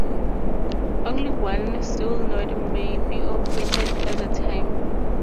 Only one solenoid may be operated at a time.